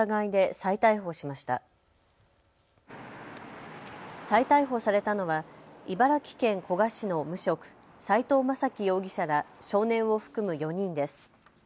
再逮捕されたのは茨城県古河市の無職、斉藤雅樹容疑者ら少年を含む４人です。